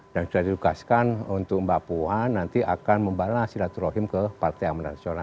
dan sudah dirugaskan untuk mbak puan nanti akan membalas siraturohim ke partai amanat nasional